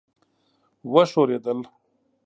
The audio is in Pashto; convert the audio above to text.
وښورېدل.